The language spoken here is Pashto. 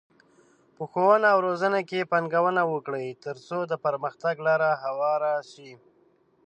په ښوونه او روزنه کې پانګونه وکړئ، ترڅو د پرمختګ لاره هواره شي.